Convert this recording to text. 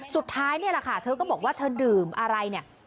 สุดท้ายนี่แหละค่ะเธอก็บอกว่าเธอดื่มอะไรเนี่ย